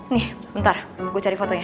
nih bentar gue cari fotonya